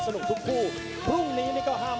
กันต่อแพทย์จินดอร์